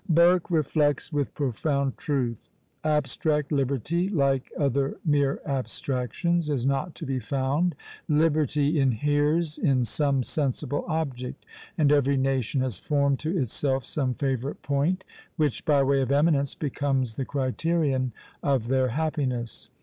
Burke reflects with profound truth "Abstract liberty, like other mere abstractions, is not to be found. Liberty inheres in some sensible object; and every nation has formed to itself some favourite point, which, by way of eminence, becomes the criterion of their happiness.